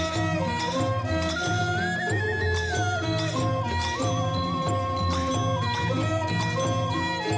จริง